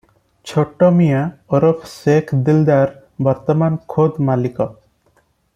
ଛୋଟ ମିଆଁ ଓରଫ ଶେଖ ଦିଲଦାର ବର୍ତ୍ତମାନ ଖୋଦ୍ ମାଲିକ ।